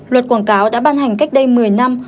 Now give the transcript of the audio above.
luật quảng cáo đã ban hành cách đây một mươi năm